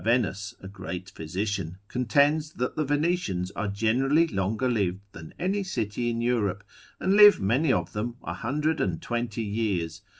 Ravennas, a great physician, contends that the Venetians are generally longer lived than any city in Europe, and live many of them 120 years.